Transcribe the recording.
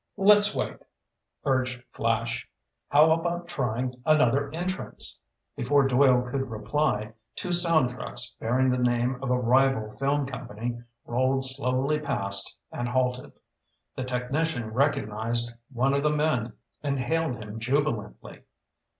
"Let's wait," urged Flash. "How about trying another entrance?" Before Doyle could reply, two sound trucks bearing the name of a rival film company, rolled slowly past and halted. The technician recognized one of the men and hailed him jubilantly.